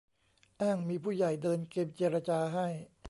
อ้างมีผู้ใหญ่เดินเกมเจรจาให้